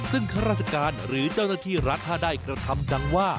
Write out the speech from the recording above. ซึ่งข้าราชการหรือเจ้าหน้าที่รัฐถ้าได้กระทำดังว่า